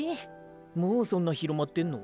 もうそんな広まってんの？